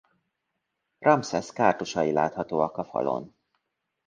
Ramszesz kártusai láthatóak a falon.